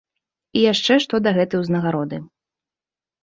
І яшчэ што да гэтай узнагароды.